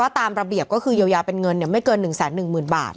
ตามระเบียบก็คือยาวเป็นเงินไม่เกิน๑แสน๑หมื่นบาท